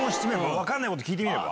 分からないこと聞いてみれば？